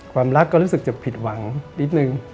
ความรักก็รู้สึกจะผิดหวังนิดนึง